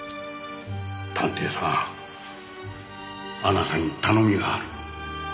探偵さんあなたに頼みがある。